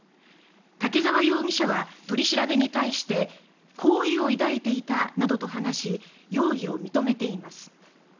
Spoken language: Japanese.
竹澤容疑者は取り調べに対して「好意を抱いていた」などと話し容疑を認めています。